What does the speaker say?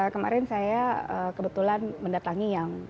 kemarin saya kebetulan mendatangi yang